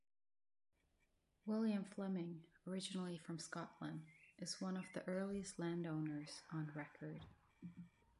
William Fleming, originally from Scotland, is one of the earliest landowners on record.